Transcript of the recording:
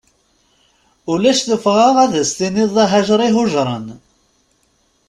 Ulac tuffɣa ad as-tiniḍ d ahajer ihujren.